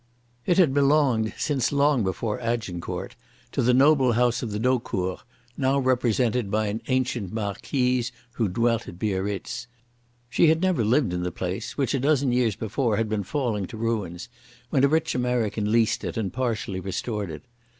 It had belonged since long before Agincourt to the noble house of the D'Eaucourts, now represented by an ancient Marquise who dwelt at Biarritz. She had never lived in the place, which a dozen years before had been falling to ruins, when a rich American leased it and partially restored it.